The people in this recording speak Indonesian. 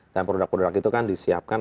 dan produk produk itu kan disiapkan